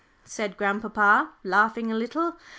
said grandpapa, laughing a little.